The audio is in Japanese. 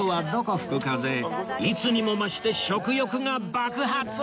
いつにも増して食欲が爆発！